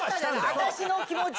私の気持ち！